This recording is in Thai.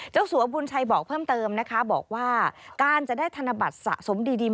สัวบุญชัยบอกเพิ่มเติมนะคะบอกว่าการจะได้ธนบัตรสะสมดี